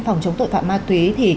phòng chống tội phạm ma túy